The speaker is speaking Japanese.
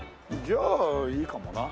じゃあいいかもな。